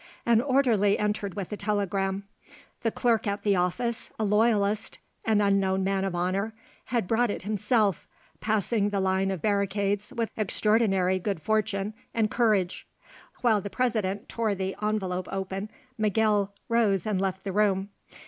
An orderly entered with a telegram. The clerk at the office, a loyalist, an unknown man of honour, had brought it himself, passing the line of barricades with extraordinary good fortune and courage. While the President tore the envelope open, Miguel rose and left the room.